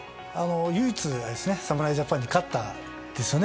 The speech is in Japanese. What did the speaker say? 唯一、侍ジャパンに勝ったんですよね。